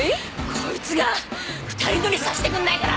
こいつが２人乗りさせてくんないから！